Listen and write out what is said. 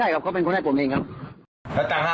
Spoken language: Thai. ใช่ครับเขาเป็นคนให้ผมเองครับ